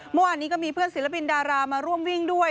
เมื่อวานนี้ก็มีเพื่อนศิลปินดารามาร่วมวิ่งด้วย